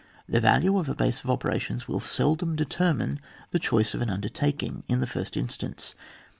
The value of a base of ope rations will seldom determine the choice of an undertaking in the first instance.